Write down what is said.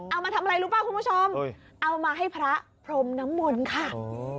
เอามาทำอะไรรู้ป่ะคุณผู้ชมเอามาให้พระพรมน้ำมนต์ค่ะ